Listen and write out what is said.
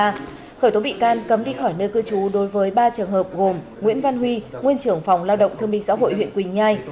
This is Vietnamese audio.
và khởi tố bị can cấm đi khỏi nơi cư trú đối với ba trường hợp gồm nguyễn văn huy nguyên trưởng phòng lao động thương minh xã hội huyện quỳnh nhai